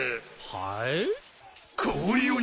はい？